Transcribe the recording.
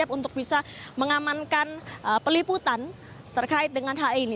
untuk bisa mengamankan peliputan terkait dengan hal ini